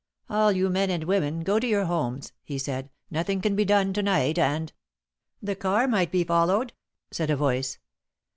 "All you men and women, go to your homes," he said. "Nothing can be done to night, and " "The car might be followed," said a voice.